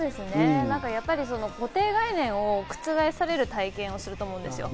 固定概念を覆される体験をすると思うんですよ